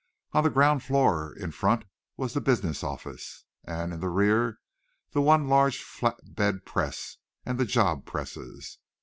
On the ground floor in front was the business office, and in the rear the one large flat bed press and the job presses.